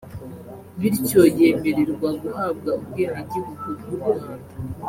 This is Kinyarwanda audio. bityo yemererwa guhabwa ubwenegihugu bw’u Rwanda